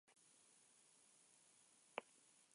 Asteazkenean giro ederra nagusituko da.